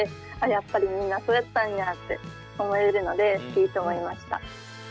やっぱりみんなそうやったんやって思えるのでいいと思いました。